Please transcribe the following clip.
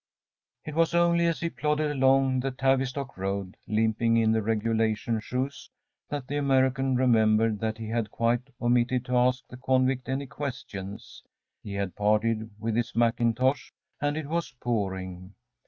It was only as he plodded along the Tavistock Road, limping in the regulation shoes, that the American remembered that he had quite omitted to ask the convict any questions. He had parted with his mackintosh, and it was pouring.